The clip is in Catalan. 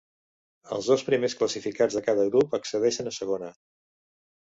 Els dos primers classificats de cada grup ascendeixen a Segona.